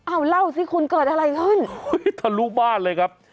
เอาเล่าสิคุณเกิดอะไรขึ้นอุ้ยทะลุบ้านเลยครับ